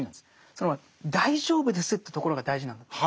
その大丈夫ですっていうところが大事なんだと思うんですよ。